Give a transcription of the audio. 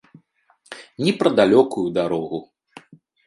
Ні пра далёкую дарогу.